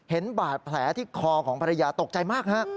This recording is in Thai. เห็นบาดแผลที่คอของภรรยาตกใจมากฮะ